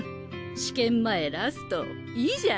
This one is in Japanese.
試験前ラストいいじゃん！